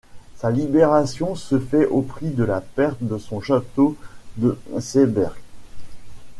Sa libération se fait au prix de la perte de son château de Siersberg.